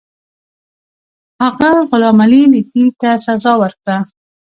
هغه غلام علي لیتي ته سزا ورکړه.